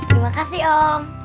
terima kasih om